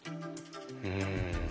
うん。